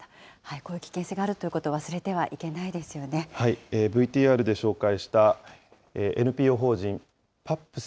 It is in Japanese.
こういう危険性があるということＶＴＲで紹介した、ＮＰＯ法人ぱっぷす